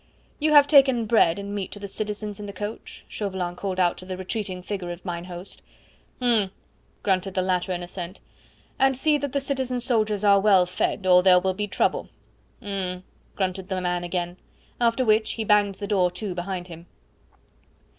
"You have taken bread and meat to the citizens in the coach?" Chauvelin called out to the retreating figure of mine host. "H'm!" grunted the latter in assent. "And see that the citizen soldiers are well fed, or there will be trouble." "H'm!" grunted the man again. After which he banged the door to behind him.